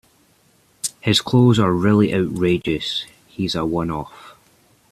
His clothes are really outrageous. He's a one-off